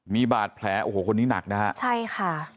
มีบาดแผลโอ้โหคนนี้หนักนะฮะใช่ค่ะ